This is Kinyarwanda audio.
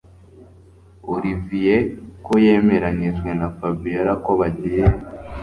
Olivier ko yemeranyijwe na Fabiora ko bagiye